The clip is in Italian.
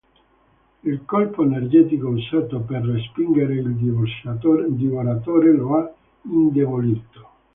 Il colpo energetico usato per respingere il Divoratore lo ha indebolito.